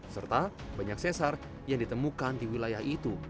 serta banyak sesar yang ditemukan di wilayah itu